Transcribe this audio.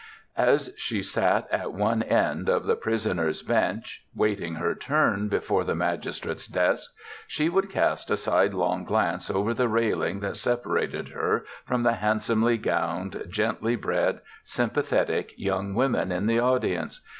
As she sat at one end of the prisoners' bench waiting her turn before the magistrate's desk, she would cast a sidelong glance over the railing that separated her from the handsomely gowned, gently bred, sympathetic young women in the audience.